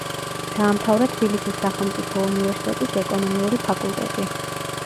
დაამთავრა თბილისის სახელმწიფო უნივერსიტეტის ეკონომიური ფაკულტეტი.